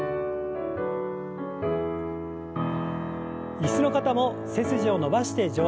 椅子の方も背筋を伸ばして上体を前に。